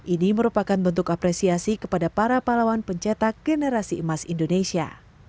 ini merupakan bentuk apresiasi kepada para pahlawan pencetak generasi emas indonesia